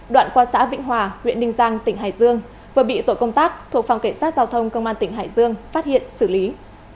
đoạn qua xã vĩnh hòa huyện ninh giang tỉnh hải dương vừa bị tổ công tác thuộc phòng cảnh sát giao thông công an tỉnh hải dương phát hiện xử lý